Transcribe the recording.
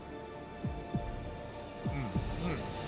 ผมชอบตั้งแต่การจัดจานนะครับ